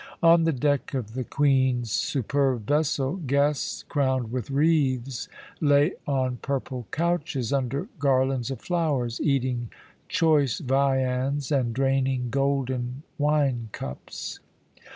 On the deck of the Queen's superb vessel guests crowned with wreaths lay on purple couches, under garlands of flowers, eating choice viands and draining golden wine cups.